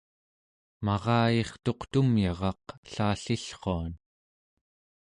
marayirtuq tumyaraq ellallillruan